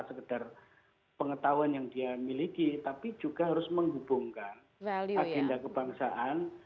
sekedar pengetahuan yang dia miliki tapi juga harus menghubungkan agenda kebangsaan